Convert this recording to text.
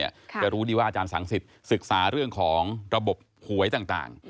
จะรู้ดีว่าอาจารย์สังสิทธิ์ศึกษาเรื่องของระบบหวยต่าง